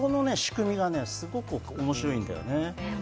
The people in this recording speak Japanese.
その仕組みがね、すごく面白いんだよね。